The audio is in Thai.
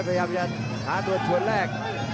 พยายามจะหาตัวชนแรก